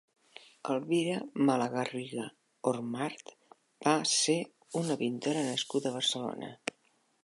Elvira Malagarriga Ormart va ser una pintora nascuda a Barcelona.